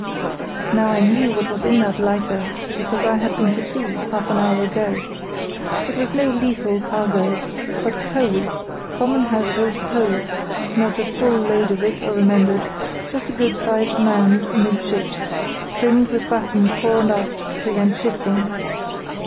Now I knew what was in that lighter, because I had been to see, half an hour ago. It was no lethal cargo, but coal, common household coal; not a full load of it, I remembered—just a good sized mound amidships, trimmed with battens fore and aft to prevent shifting.